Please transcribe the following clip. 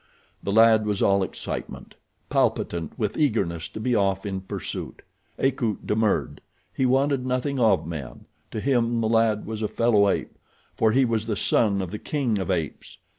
The lad was all excitement; palpitant with eagerness to be off in pursuit. Akut demurred. He wanted nothing of men. To him the lad was a fellow ape, for he was the son of the king of apes.